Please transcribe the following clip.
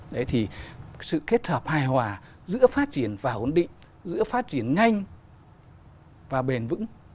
đấy thì sự kết hợp hài hòa giữa phát triển và ổn định giữa phát triển nhanh và bền vững